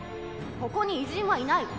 ここに偉人はいないわ。